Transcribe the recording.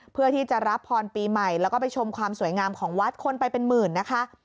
เพื่อที่จะรับพรปีใหม่แล้วก็ไปชมความสวยงามของวัดคนไปเป็นหมื่นนะคะ